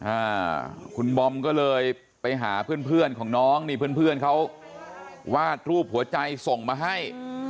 อ่าคุณบอมก็เลยไปหาเพื่อนเพื่อนของน้องนี่เพื่อนเพื่อนเขาวาดรูปหัวใจส่งมาให้